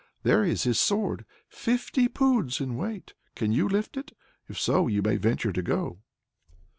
There is his sword, fifty poods in weight. Can you lift it? If so, you may venture to go."